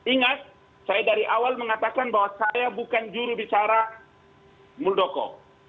ingat saya dari awal mengatakan bahwa saya bukan jurubicara muldoko